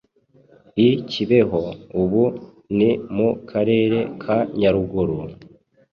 i Kibeho ubu ni mu karere ka Nyaruguru,